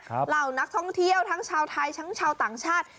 เหล่านักท่องเที่ยวทั้งชาวไทยทั้งชาวต่างชาติ